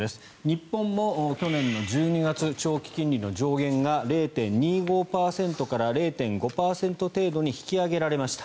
日本も去年１２月長期金利の上限が０．２５％から０．５％程度に引き上げられました。